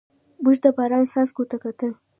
موږ د باران څاڅکو ته کتل.